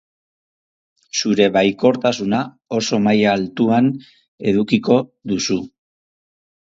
Zure baikortasuna oso maila altuan edukiko duzu.